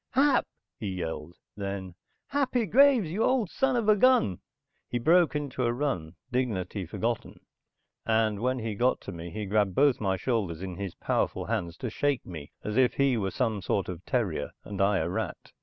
"Hap!" he yelled, then. "Happy Graves, you old son of a gun!" He broke into a run, dignity forgotten, and when he got to me he grabbed both my shoulders in his powerful hands to shake me as if he were some sort of terrier and I a rat.